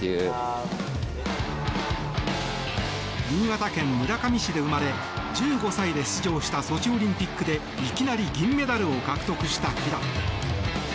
新潟県村上市で生まれ１５歳で出場したソチオリンピックでいきなり銀メダルを獲得した平野。